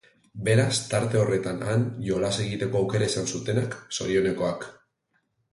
Beraz tarte horretan han jolas egiteko aukera izan zutenak, zorionekoak.